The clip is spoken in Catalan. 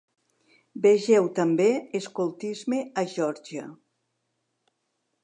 Vegeu també: Escoltisme a Georgia.